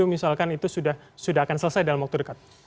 misalkan itu sudah akan selesai dalam waktu dekat